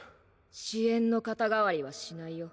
私怨の肩代わりはしないよ。